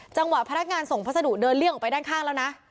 จังหวะพนักงานส่งพัสดุเดินเลี่ยงออกไปด้านข้างแล้วนะ